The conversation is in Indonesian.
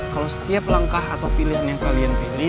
kalau setiap langkah atau pilihan yang kalian pilih